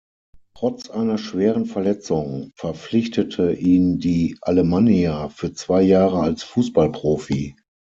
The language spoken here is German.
Trotz einer schweren Verletzung verpflichtete ihn die Alemannia für zwei Jahre als Fußballprofi.